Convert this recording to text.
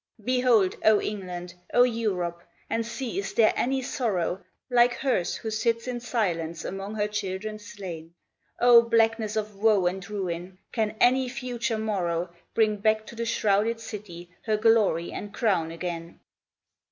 Behold oh, England! oh, Europe! and see is there any sorrow Like hers who sits in silence among her children slain, Oh, blackness of woe and ruin! can any future morrow Bring back to the shrouded city her glory and crown again!